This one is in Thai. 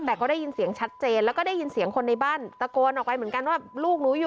แต่ก็ได้ยินเสียงชัดเจนแล้วก็ได้ยินเสียงของคนในบ้าน